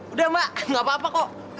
udah mbak gak apa apa kok